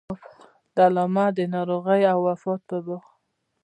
د علامه د ناروغۍ او وفات په باب.